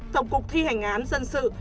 tổng cục thi hành án dân sự